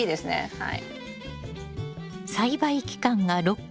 はい。